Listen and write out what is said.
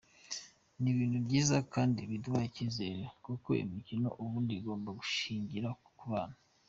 Ni ibintu byiza kandi biduha icyizere kuko imikino ubundi igomba gushingira ku bana.